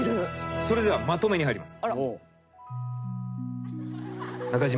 それではまとめに入ります。